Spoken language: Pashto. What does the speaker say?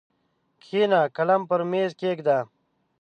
کښېنه قلم پر مېز کښېږده!